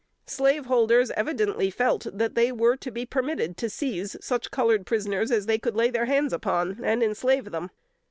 Slaveholders evidently felt that they were to be permitted to seize such colored prisoners as they could lay their hands upon, and enslave them.